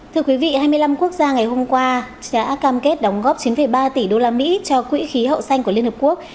thưa quý vị hai mươi năm quốc gia ngày hôm qua đã cam kết đóng góp chín ba tỷ usd cho quỹ khí hậu xanh của liên hợp quốc